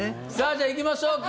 じゃあ行きましょうか。